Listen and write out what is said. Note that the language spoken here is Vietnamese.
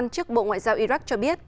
trước bộ ngoại giao iraq cho biết